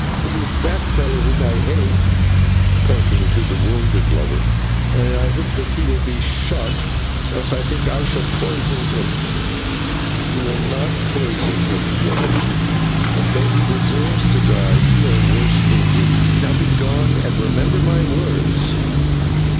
It is that fellow whom I hate," pointing to her wounded lover, "and I hope that he will be shot, else I think that I shall poison him." "You will not poison him, woman; and, though he deserves to die, you are worse than he. Now begone, and remember my words!"